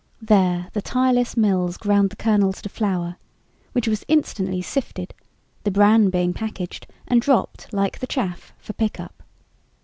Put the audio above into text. There the tireless mills ground the kernels to flour, which was instantly sifted, the bran being packaged and dropped like the chaff for pickup.